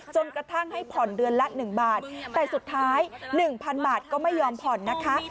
จนกระทั่งให้ผ่อนเดือนละ๑บาทแต่สุดท้าย๑๐๐๐บาทก็ไม่ยอมผ่อนนะคะ